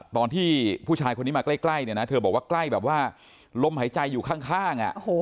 ตอนที่ผู้ชายคนนี้มาใกล้เนี่ยนะเธอบอกว่าใกล้แบบว่าลมหายใจอยู่ข้าง